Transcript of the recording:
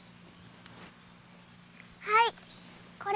はいこれ！